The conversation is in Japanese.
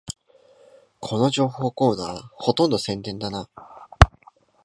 この情報コーナー、ほとんど宣伝だな